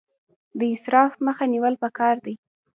د اسراف مخه نیول پکار دي